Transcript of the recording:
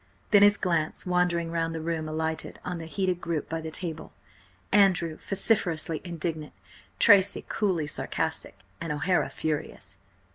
Then his glance, wandering round the room, alighted on the heated group by the table; Andrew vociferously indignant, Tracy coolly sarcastic, and O'Hara furious.